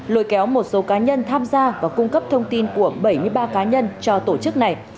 lôi kéo một số cá nhân tham gia và cung cấp thông tin của bảy mươi ba cá nhân cho tổ chức này